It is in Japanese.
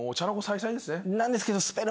なんですけど。